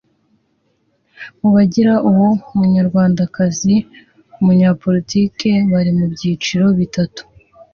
Mubagira uwo munyarwandakazi “Umunyapolitiki” bari mu byiciro bitatu